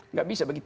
nggak bisa begitu